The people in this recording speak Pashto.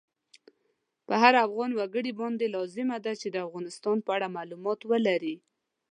په هر افغان وګړی باندی لازمه ده چی د افغانستان په اړه مالومات ولری